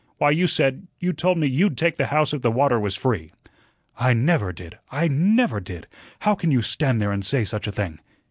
Why, you said you told me you'd take the house if the water was free." "I NEVER did. I NEVER did. How can you stand there and say such a thing?"